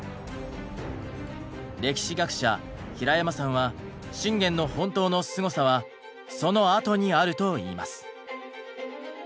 歴史学者平山さんは信玄の本当のすごさはそのあとにあると言います。